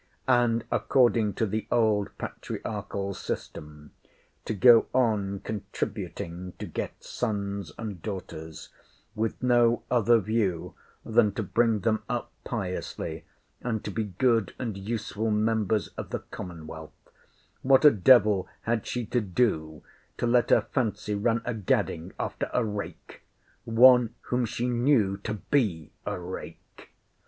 ] and, according to the old patriarchal system, to go on contributing to get sons and daughters, with no other view than to bring them up piously, and to be good and useful members of the commonwealth, what a devil had she to do, to let her fancy run a gadding after a rake? one whom she knew to be a rake?